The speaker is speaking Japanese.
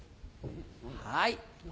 はい。